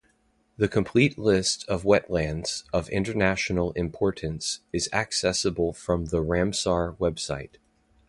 The complete list of Wetlands of International Importance is accessible from the Ramsar website.